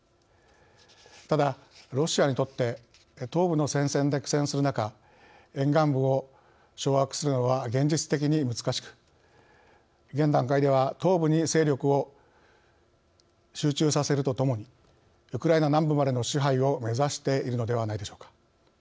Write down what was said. ただロシアにとって東部の戦線で苦戦する中沿岸部を掌握するのは現実的に難しく現段階では東部に勢力を集中させるとともにウクライナ南部までの支配を目指しているのではないでしょうか。